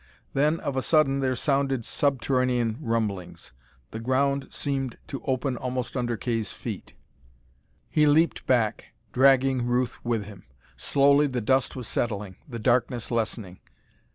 Then of a sudden there sounded subterranean rumblings. The ground seemed to open almost under Kay's feet. He leaped back, dragging Ruth with him. Slowly the dust was settling, the darkness lessening.